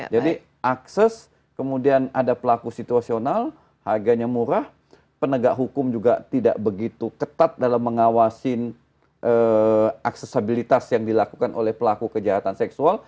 jadi akses kemudian ada pelaku situasional harganya murah penegak hukum juga tidak begitu ketat dalam mengawasi aksesabilitas yang dilakukan oleh pelaku kejahatan seksual